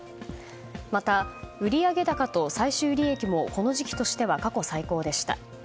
また、売上高と最終利益もこの時期としては過去最高でした。